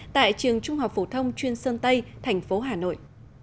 tại trường trung học phổ thông chuyên sơn tây thành phố hà nội